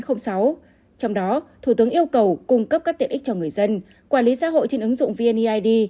trong đó thủ tướng yêu cầu cung cấp các tiện ích cho người dân quản lý xã hội trên ứng dụng vneid